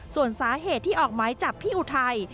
ส่วนสาเหตุที่ออกไม้จับพี่อุทัย